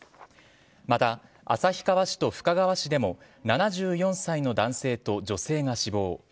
また、旭川市と深川市でも７４歳の男性と女性が死亡。